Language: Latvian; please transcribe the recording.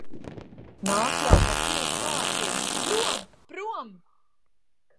Nāk jau pa pils vārtiem. Prom! Prom!